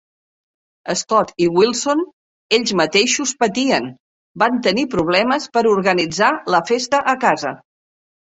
Scott i Wilson, ells mateixos patien, van tenir problemes per organitzar la festa a casa.